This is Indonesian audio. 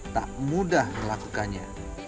tak mudah melakukannya